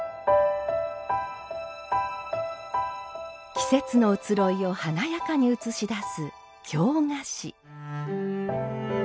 季節の移ろいを華やかに映し出す京菓子。